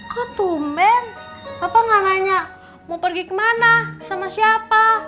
kok tumben bapak gak nanya mau pergi kemana sama siapa